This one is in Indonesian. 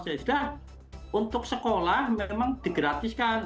ya sudah untuk sekolah memang digratiskan